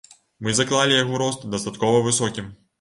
Мы заклалі яго рост дастаткова высокім.